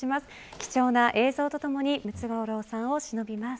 貴重な映像とともにムツゴロウさんをしのびます。